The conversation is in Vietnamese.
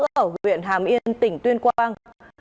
ở huyện hàm yên tỉnh tuyên quang